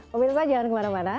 pemirsa jangan kemana mana